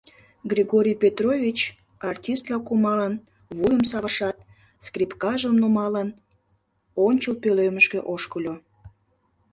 — Григорий Петрович, артистла кумалын, вуйым савышат, скрипкажым нумалын, ончыл пӧлемышке ошкыльо.